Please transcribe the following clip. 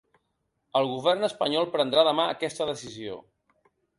El govern espanyol prendrà demà aquesta decisió.